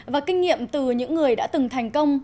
và kinh nghiệm từ những người đã từng thành công